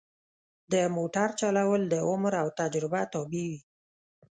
د موټر چلول د عمر او تجربه تابع وي.